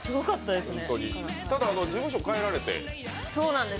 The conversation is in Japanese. ただ、事務所変えられて？